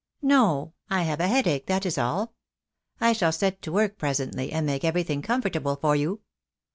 "No. I have a headache, that is all. I shall set to work presently and make everything comfortable for you.